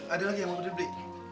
ada lagi yang mau beli beli